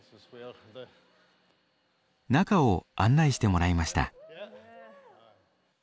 中を案内してもらいました。